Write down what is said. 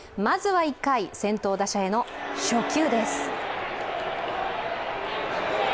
まずは１回、先頭打者への初球です。